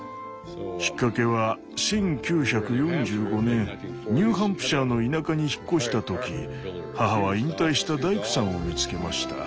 きっかけは１９４５年ニューハンプシャーの田舎に引っ越した時母は引退した大工さんを見つけました。